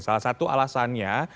salah satu alasannya